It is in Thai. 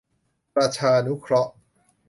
ประชานุเคราะห์